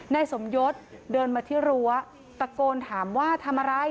นายสมยศเดินมาที่รั้วตะโกนถามว่าทำอะไร